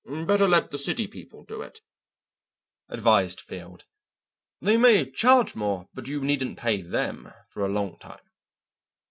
"Better let the city people do it," advised Field. "They may charge more, but you needn't pay them for a long time."